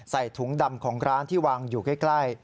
ใส่ถุงดำของร้านที่วางอยู่ใกล้